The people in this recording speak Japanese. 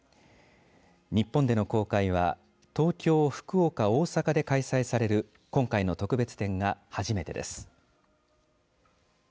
日本での公開は東京、福岡、大阪で開催される今回の特別展が初めてです。